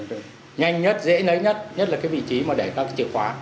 nhanh nhất dễ lấy nhất nhất là cái vị trí mà để ra cái chìa khóa